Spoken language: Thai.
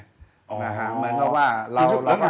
เหมือนกับว่าเราก็